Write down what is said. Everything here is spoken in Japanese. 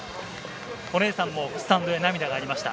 お姉さんもスタンドで涙がありました。